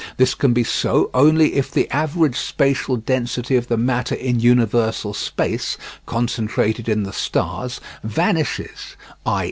This can be so only if the average spatial density of the matter in universal space, concentrated in the stars, vanishes, i.